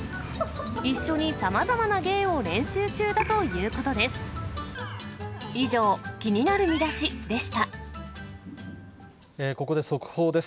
一緒にさまざまな芸を練習中だということです。